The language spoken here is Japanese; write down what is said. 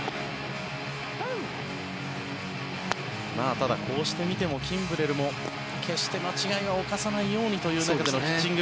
ただ、こうして見てもキンブレルも決して間違いは犯さないようにという中でのピッチング。